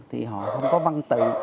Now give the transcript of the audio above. thì họ không có văn tự